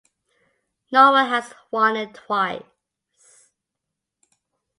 No one has won it twice.